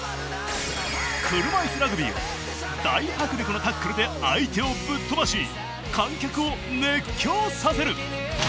車いすラグビーは大迫力のタックルで相手をぶっ飛ばし観客を熱狂させる！